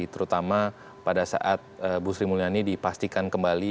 terutama pada saat bu sri mulyani dipastikan kembali